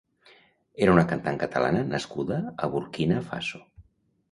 Era una cantant catalana nascuda a Burkina Faso.